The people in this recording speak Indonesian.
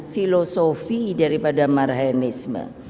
filosofi daripada marhainisme